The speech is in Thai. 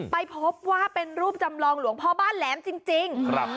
ไปพบว่าเป็นรูปจำลองหลวงพ่อบ้านแหลมจริงครับ